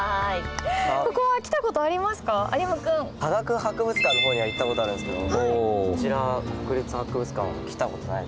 科学博物館の方には行った事あるんですけどこちら国立博物館は来た事ないです。